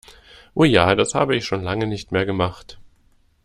Oh ja, das habe ich schon lange nicht mehr gemacht!